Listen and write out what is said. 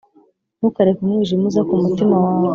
ntukareke umwijima uza ku mutima wawe